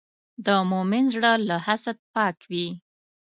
د مؤمن زړه له حسد پاک وي.